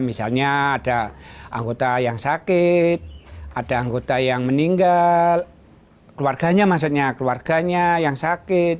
misalnya ada anggota yang sakit ada anggota yang meninggal keluarganya maksudnya keluarganya yang sakit